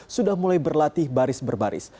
sudah mulai berlatih baris berbaris